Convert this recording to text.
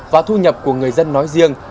và thu nhập của người dân nói riêng